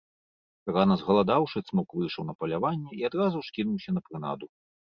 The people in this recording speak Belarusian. Рана згаладаўшы, цмок выйшаў на паляванне і адразу ж кінуўся на прынаду.